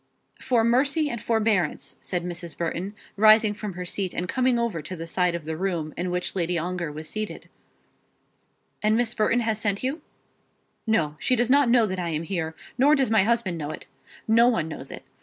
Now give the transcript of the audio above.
"For mercy and forbearance," said Mrs. Burton, rising from her seat and coming over to the side of the room in which Lady Ongar was seated. [Illustration: A plea for mercy.] "And Miss Burton has sent you?" "No; she does not know that I am here; nor does my husband know it. No one knows it.